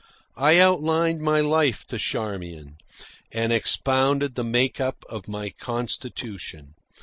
I outlined my life to Charmian, and expounded the make up of my constitution.